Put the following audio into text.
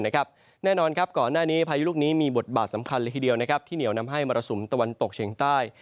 ก่อนหน้านี้พายุลูกมีบทบาทสำคัญที่เหนียวนำให้มรศุมร์ตะวันตกเชียงใต้